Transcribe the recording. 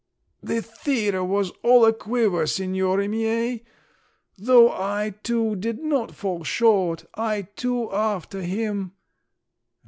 The theatre was all a quiver, signori miei! though I too did not fall short, I too after him.